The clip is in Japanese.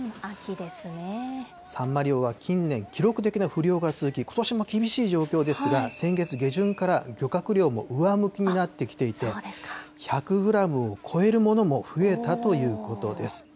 サンマ漁は近年、記録的な不漁が続き、ことしも厳しい状況ですが、先月下旬から漁獲量も上向きになってきていて、１００グラムを超えるものも増えたということです。